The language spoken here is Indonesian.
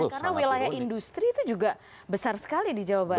karena wilayah industri itu juga besar sekali di jawa barat